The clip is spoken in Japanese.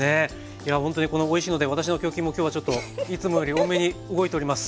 いやほんとにおいしいので私の胸筋も今日はちょっといつもより多めに動いております。